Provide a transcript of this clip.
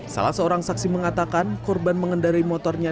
salah seorang saksi mengatakan korban mengendari motornya